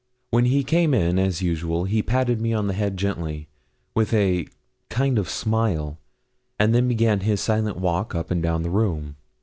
When he came in, as usual, he patted me on the head gently, with a kind of smile, and then began his silent walk up and down the room.